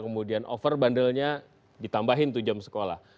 kemudian over bandelnya ditambahin tuh jam sekolah